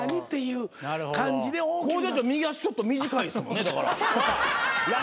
向上長右脚ちょっと短いですもんねだから。